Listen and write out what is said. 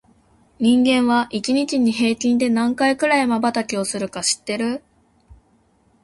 人間は、一日に平均で何回くらいまばたきをするか知ってる？